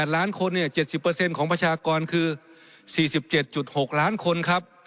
ล้านคน๗๐ของประชากรคือ๔๗๖ล้านคนครับ